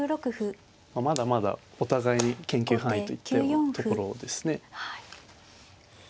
まだまだお互いに研究範囲といったようなところですね。